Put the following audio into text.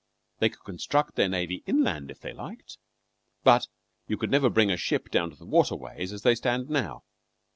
They could construct their navy inland if they liked, but you could never bring a ship down to the water ways, as they stand now.